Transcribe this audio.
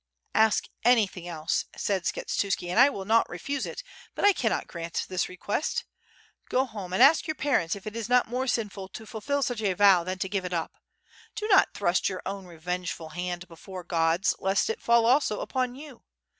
"Ask anything else," said Skshetuski, "and I will not refuse it, but I cannot grant this request. Go home and ftsk your WITH FIRE AND 8W0RD. gj^ parents if it is not more sinful to fulfill such a vow than to give it up. Do not thrust your own revengeful hand before God's lest it fall also upon you.